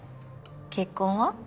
結婚は？